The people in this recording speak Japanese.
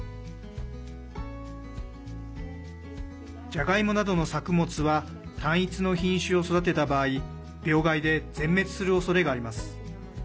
じゃがいもなどの作物は単一の品種を育てた場合病害で全滅するおそれがあります。